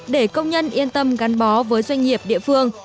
để công nhân yên tâm gắn bó với doanh nghiệp địa phương